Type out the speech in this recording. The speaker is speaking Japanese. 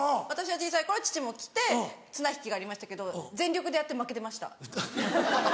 私が小さい頃は父も来て綱引きがありましたけど全力でやって負けてました。